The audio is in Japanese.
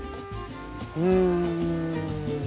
うん。